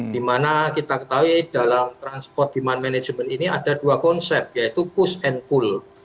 dimana kita ketahui dalam transport demand management ini ada dua konsep yaitu push and cool